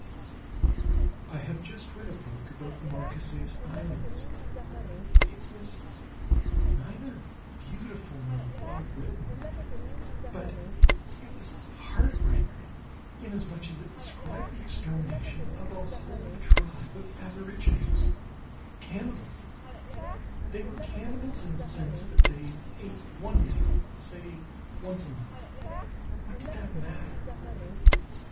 I have just read a book about the Marquesas Islands. It was neither beautiful nor well written, but it was heartrending inasmuch as it described the extermination of a whole tribe of aborigines cannibals! They were cannibals in the sense that they ate one man, say once a month (what did that matter?)